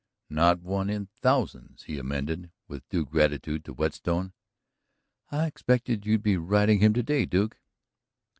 "Not one in thousands," he amended, with due gratitude to Whetstone. "I expected you'd be riding him today, Duke."